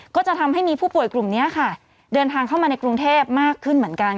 ก็จะทำให้มีผู้ป่วยกลุ่มนี้ค่ะเดินทางเข้ามาในกรุงเทพมากขึ้นเหมือนกัน